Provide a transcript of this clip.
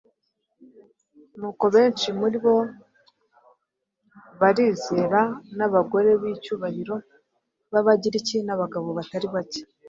Nuko benshi muri bo barizera, n’abagore b’icyubahiro b’Abagiriki, n’abagabo batari bake.”